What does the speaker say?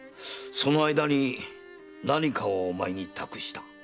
その間に何かをお前に託した。